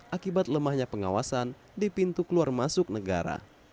akibat lemahnya pengawasan di pintu keluar masuk negara